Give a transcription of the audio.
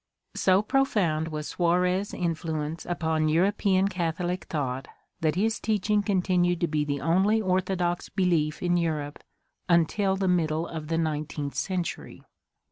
So profound was Suarez* influence upon European Catholic thought that his teaching continued to be the only orthodox belief in Europe until the middle of the nineteenth century.